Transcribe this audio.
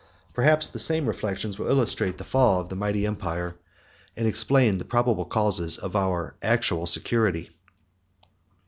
Perhaps the same reflections will illustrate the fall of that mighty empire, and explain the probable causes of our actual security.